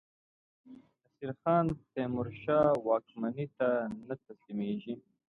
نصیرخان تیمورشاه واکمنۍ ته نه تسلیمېدی.